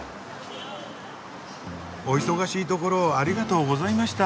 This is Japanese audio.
お忙しいところをありがとうございました。